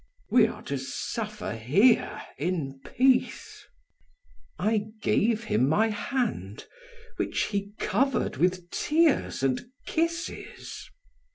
We are to suffer here in peace!" I gave him my hand which he covered with tears and kisses.